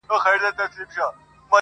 په خِصلت درویش دی یاره نور سلطان دی,